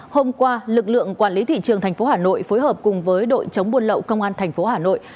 hôm qua lực lượng quản lý thị trường thành phố hà nội phối hợp cùng với đội chống buôn lậu công an thành phố hà nội